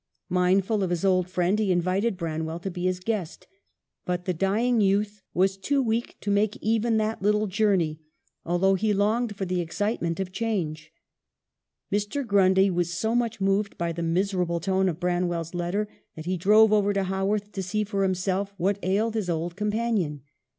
Mindful of his old friend, he invited Branwell to be his guest ; but the dying youth was too weak to make even that little journey, although he longed for the excite ment of change. Mr. Grundy was so much moved by the miserable tone of Branwell's letter that he drove over to Haworth to see for himself what ailed his old companion.